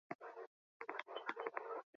Etxeko paretak momentu zoriontsuez bete ditzagun.